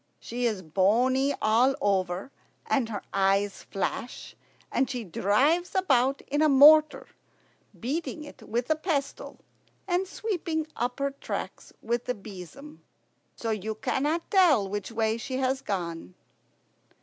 She is bony all over, and her eyes flash, and she drives about in a mortar, beating it with a pestle, and sweeping up her tracks with a besom, so that you cannot tell which way she has gone."